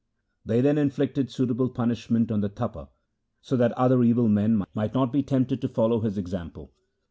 They then inflicted suitable punishment on the Tapa, so that other evil men might not be tempted to follow his example.